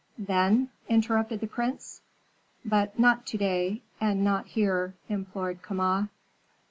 "Then? " interrupted the prince. "But not to day, and not here," implored Kama.